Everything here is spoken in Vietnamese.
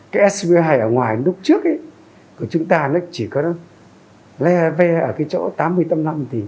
cái ecmo ở ngoài lúc trước của chúng ta chỉ có le ve ở cái chỗ tám mươi tâm lâm